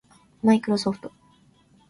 マイクロソフト